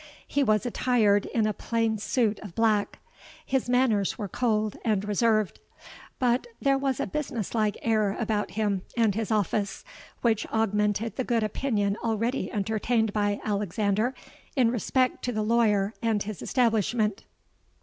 He was attired in a plain suit of black: his manners were cold and reserved; but there was a business like air about him and his office, which augmented the good opinion already entertained by Alexander in respect to the lawyer and his establishment.